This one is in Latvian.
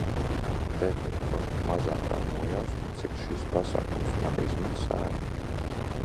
Tev ir kaut mazākā nojausma, cik šis pasākums man izmaksāja?